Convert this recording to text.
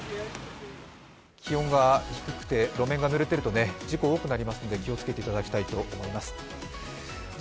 気温が低くて路面がぬれていると事故が多くなりますので気をつけていただきたいと思います。